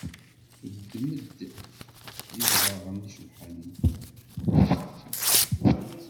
Teddem-d idɣaɣen icebḥen.